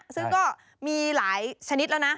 ซึ่งก็มีหลายชนิดแล้วนะ